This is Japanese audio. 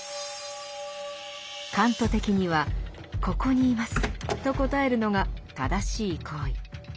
カント的には「ここにいます」と答えるのが正しい行為。